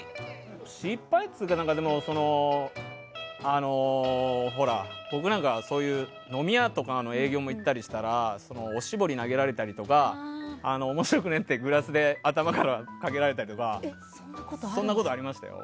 失敗っつうか僕なんか飲み屋とかの営業もいったりしたらおしぼりを投げられたりとか面白くねえってグラスで頭からかけらりたりそんなことありましたよ。